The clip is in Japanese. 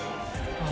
ああ！